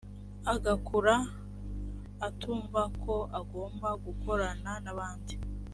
agakura atumva ko agomba gukorana n’abandi